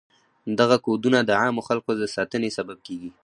دغه کودونه د عامو خلکو د ساتنې سبب کیږي.